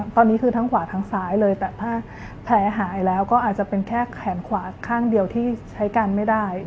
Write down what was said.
ตอนนี้คือทั้งขวาทั้งซ้ายเลยแต่ถ้าแผลหายแล้วก็อาจจะเป็นแค่แขนขวาข้างเดียวที่ใช้กันไม่ได้